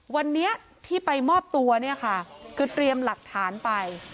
วันนี้ที่ไปมอบตัวเนี่ยค่ะคือเตรียมหลักฐานไป